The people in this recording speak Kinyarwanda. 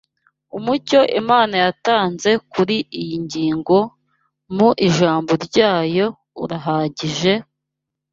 Umucyo Imana yatanze kuri iyi ngingo mu ijambo ryayo urahagije,